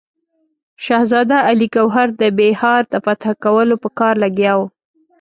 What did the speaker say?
شهزاده علي ګوهر د بیهار د فتح کولو په کار لګیا وو.